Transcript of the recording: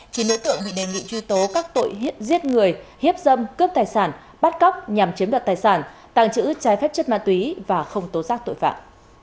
chín đối tượng bị đề nghị truy tố các tội hiếp giết người hiếp dâm cướp tài sản bắt cóc nhằm chiếm đoạt tài sản tàng trữ trái phép chất ma túy và không tố giác tội phạm